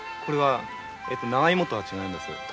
これはナガイモとは違います。